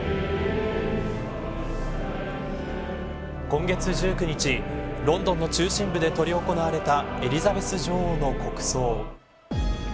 今月１９日ロンドンの中心部で執り行われたエリザベス女王の国葬。